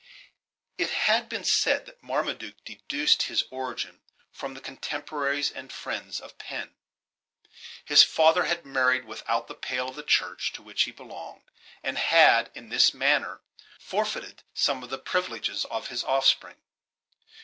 It has been said that Marmaduke deduced his origin from the contemporaries and friends of Penn. His father had married without the pale of the church to which he belonged, and had, in this manner, forfeited some of the privileges of his offspring.